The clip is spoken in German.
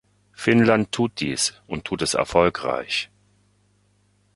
Finnland tut dies und tut es erfolgreich.